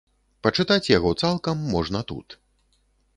Пачытаць яго цалкам можна тут.